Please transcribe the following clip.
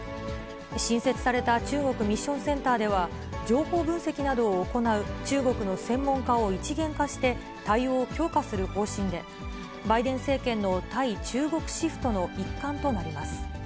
新設された中国ミッションセンターでは、情報分析などを行う中国の専門家を一元化して対応を強化する方針で、バイデン政権の対中国シフトの一環となります。